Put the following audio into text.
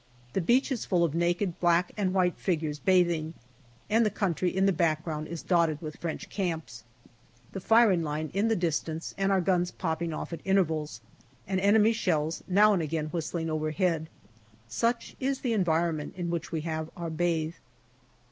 The beach is full of naked black and white figures bathing, and the country in the background is dotted with French camps. The firing line in the distance, and our guns popping off at intervals, and enemy shells now and again whistling overhead such is the environment in which we have our bathe.